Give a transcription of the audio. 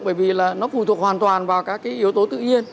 bởi vì nó phù thuộc hoàn toàn vào các cái yếu tố tự nhiên